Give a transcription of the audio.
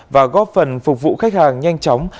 và góp phần phục vụ khách hàng nhanh chóng